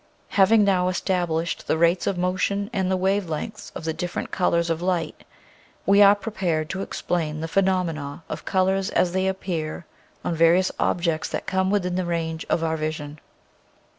Having now established the rates of motion and the wave lengths of the different colors of light, we are prepared to explain the phenomena of color as they appear on various objects that come within the range of our vision.